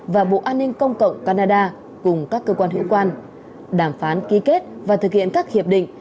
và bộ an ninh công cộng canada cùng các cơ quan hữu quan đàm phán ký kết và thực hiện các hiệp định